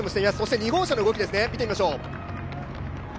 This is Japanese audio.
２号車の動き見てみましょう。